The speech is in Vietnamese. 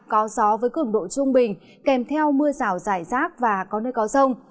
có gió với cường độ trung bình kèm theo mưa rào rải rác và có nơi có rông